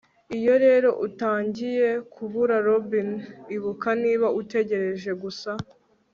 iyo rero utangiye kubura robin, ibuka niba utegereje gusa